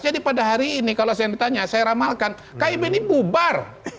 jadi pada hari ini kalau saya ditanya saya ramalkan kib ini bubar